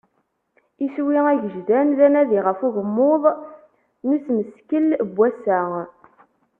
Iswi agejdan d anadi ɣef ugmmuḍ n usmeskel n wass-a.